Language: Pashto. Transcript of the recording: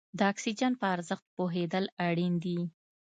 د اکسیجن په ارزښت پوهېدل اړین دي.